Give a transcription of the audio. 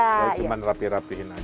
saya cuma rapi rapi